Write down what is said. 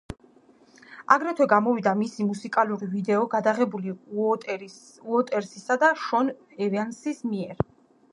აგრეთვე გამოვიდა მისი მუსიკალური ვიდეო, გადაღებული უოტერსის და შონ ევანსის მიერ.